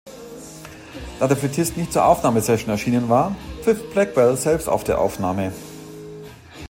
Da der Flötist nicht zur Aufnahmesession erschienen war, pfiff Blackwell selbst auf der Aufnahme.